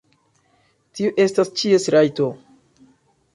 Tiu estas ĉies rajto.